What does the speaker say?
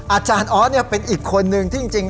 อาจารย์อ๊อตเนี่ยเป็นอีกคนหนึ่งที่จริง